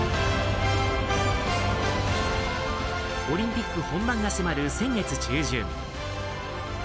オリンピック本番が迫る先月中旬。